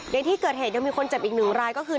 ในที่เกิดเหตุยังมีคนเจ็บอีกหนึ่งรายก็คือ